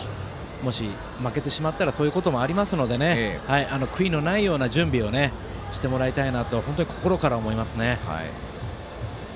もし負けてしまったらそういうこともありますので悔いのないような準備をしてもらいたいなと本当に心から思いますね。